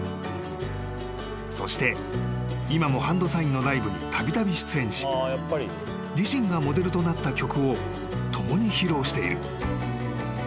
［そして今もＨＡＮＤＳＩＧＮのライブにたびたび出演し自身がモデルとなった曲を共に披露している］